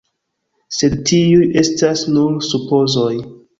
Sed tiuj estas nur supozoj.